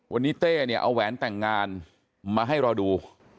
วันนี้เต้เนี่ยเอาแหวนแต่งงานมาให้เราดู